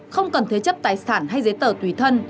không cần thế chấp tài sản hay giấy tờ tùy thân